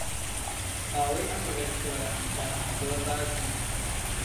قاوەی ئەم ڕێستۆرانتە زۆر باش نییە.